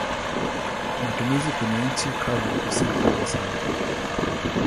Matumizi kwenye nchi kavu si kubwa sana.